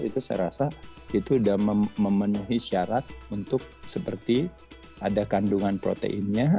itu saya rasa itu sudah memenuhi syarat untuk seperti ada kandungan proteinnya